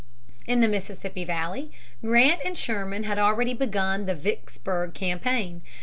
In the Mississippi Valley Grant and Sherman had already begun the Vicksburg campaign.